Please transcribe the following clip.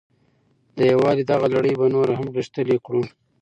د یووالي دغه لړۍ به نوره هم غښتلې کړو.